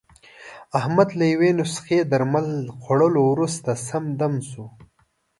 احمد له یوې نسخې درمل خوړلو ورسته، سم دم شو.